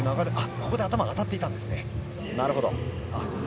ここで頭が当たっていたんですね。